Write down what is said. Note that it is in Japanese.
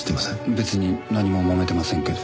別に何ももめてませんけど。